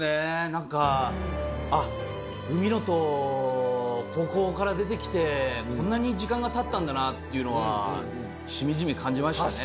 なんかあっ海野と高校から出てきてこんなに時間が経ったんだなっていうのはしみじみ感じましたね。